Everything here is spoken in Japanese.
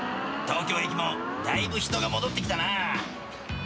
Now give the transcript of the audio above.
東京駅もだいぶ人が戻ってきたな。